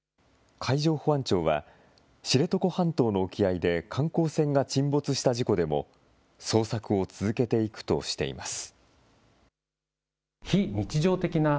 海上保安庁は、知床半島の沖合で観光船が沈没した事故でも、捜索を続けていくとしています。